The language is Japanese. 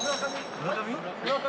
村上？